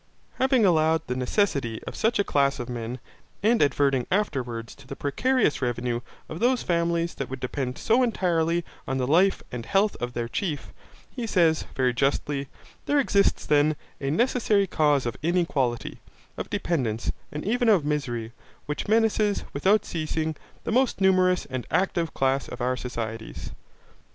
Having allowed the necessity of such a class of men, and adverting afterwards to the precarious revenue of those families that would depend so entirely on the life and health of their chief, he says, very justly: 'There exists then, a necessary cause of inequality, of dependence, and even of misery, which menaces, without ceasing, the most numerous and active class of our societies.'